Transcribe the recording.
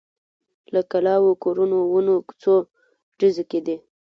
له کلاوو، کورونو، ونو، کوڅو… ډزې کېدې.